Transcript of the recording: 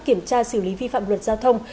kiểm tra xử lý vi phạm luật giao thông